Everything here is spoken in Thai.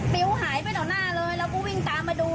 ปิ้วหายไปต่อหน้าเลยเราก็วิ่งตามมาดู